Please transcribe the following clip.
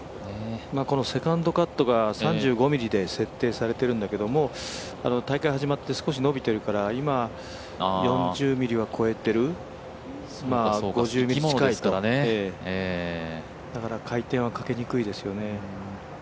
このセカンドカットが３５ｍｍで設定されてるんだけども大会始まって少しのびてるから４０ｍｍは超えている、５０ｍｍ近いとだから回転はかけにくいですよね。